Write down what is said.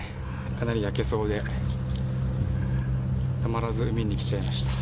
かなり焼けそうで、たまらず海に来ちゃいました。